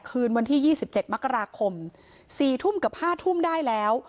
คืนวันที่ยี่สิบเจ็ดมักราคมสี่ทุ่มกับห้าทุ่มได้แล้ว